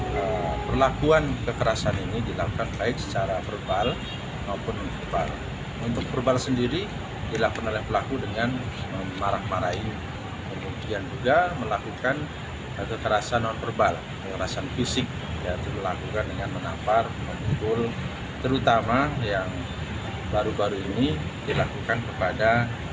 yang baru baru ini dilakukan kepada korban misalnya